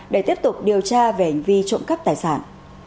để tiếp tục điều tra về hành vi trộm cắp tài sản